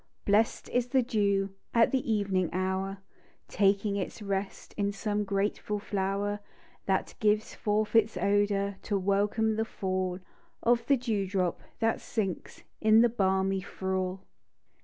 Blest is the dew At the evening hour, Taking its rest In some grateful flower, That gives forth its odour, To welcome the fall Of the dew drop that sinks In the balmy thrall.